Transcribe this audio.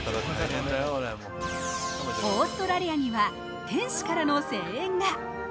オーストラリアには天使からの声援が。